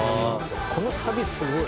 このサビすごい。